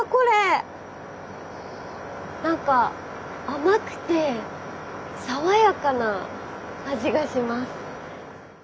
何か甘くて爽やかな味がします。